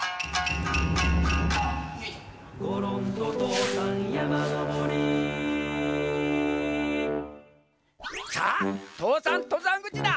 「ごろんととうさんやまのぼり」さあ父山とざんぐちだ。